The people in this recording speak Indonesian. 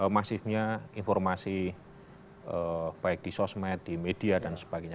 masifnya informasi baik di sosmed di media dan sebagainya